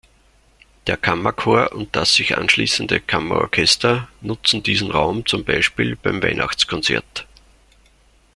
Der Kammerchor und das sich anschließende Kammerorchester nutzen diesen Raum zum Beispiel beim Weihnachtskonzert.